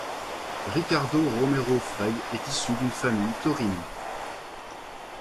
Ricardo Romero Freg est issu d'une famille taurine.